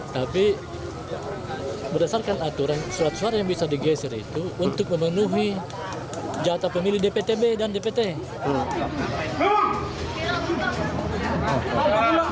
tapi berdasarkan aturan surat suara yang bisa digeser itu untuk memenuhi jatah pemilih dptb dan dpt